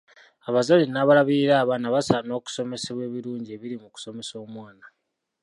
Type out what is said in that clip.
Abazadde n'abalabirira abaana basaana okusomesebwa ebirungi ebiri mu kusomesa omwana.